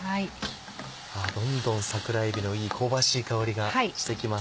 どんどん桜えびのいい香ばしい香りがしてきます。